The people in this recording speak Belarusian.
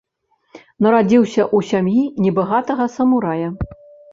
Нарадзіўся ў сям'і небагатага самурая.